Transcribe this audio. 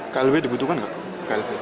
klb dibutuhkan gak